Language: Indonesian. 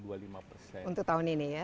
untuk tahun ini ya